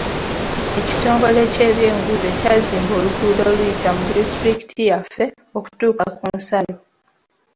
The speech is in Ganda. Ekitongole ky'ebyenguudo kyazimba oluguudo oluyita mu disitulikiti yaffe okutuuka ku nsalo.